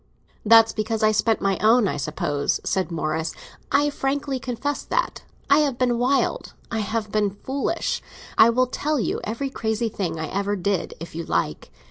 "That's because I spent my own, I suppose," said Morris. "I frankly confess that. I have been wild. I have been foolish. I will tell you every crazy thing I ever did, if you like.